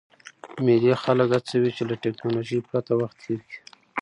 مېلې خلک هڅوي، چي له ټکنالوژۍ پرته وخت تېر کي.